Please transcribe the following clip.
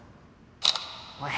おい！